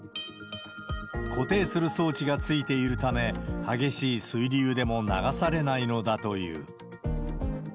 固定する装置がついているため、激しい水流でも流されないのだという。